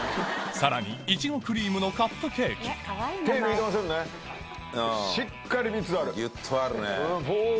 さらにいちごクリームのカップケーキギュっとあるね。